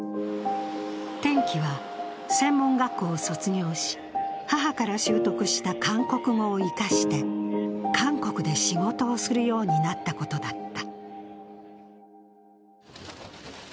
転機は専門学校を卒業し母から習得した韓国語を生かして韓国で仕事をするようになったことだった。